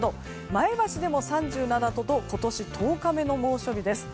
前橋でも３７度と今年１０日目の猛暑日です。